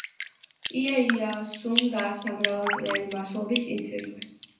იეიასუმ დააარსა მრავალწლიანი მმართველობის ინსტიტუტი.